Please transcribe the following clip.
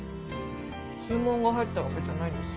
注文が入ったわけじゃないんです。